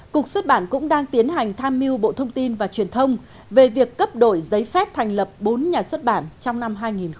cục xuất bản cũng đang tiến hành tham mưu bộ thông tin và truyền thông về việc cấp đổi giấy phép thành lập bốn nhà xuất bản trong năm hai nghìn một mươi chín